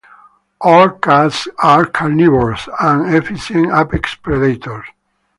All cats are carnivores and efficient apex predators.